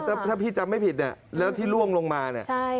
ถ้าพี่จำไม่ผิดเนี่ยแล้วที่ล่วงลงมาเนี่ย